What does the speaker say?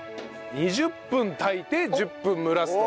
２０分炊いて１０分蒸らすと。